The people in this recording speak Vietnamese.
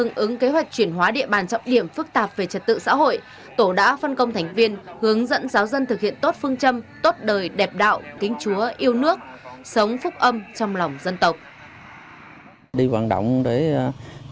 để ứng kế hoạch chuyển hóa địa bàn trọng điểm phức tạp về trật tự xã hội tổ đã phân công thành viên hướng dẫn giáo dân thực hiện tốt phương châm tốt đời đẹp đạo kính chúa yêu nước sống phúc âm trong lòng dân tộc